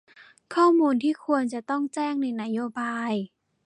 ข้อมูลที่ควรจะต้องแจ้งในนโยบาย